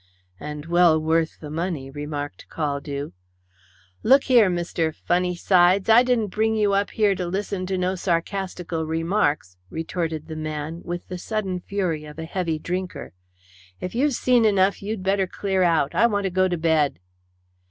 "And well worth the money," remarked Caldew. "Look here, Mr. Funnysides, I didn't bring you up here to listen to no sarcastical remarks," retorted the man, with the sudden fury of a heavy drinker. "If you've seen enough, you'd better clear out. I want to get to bed."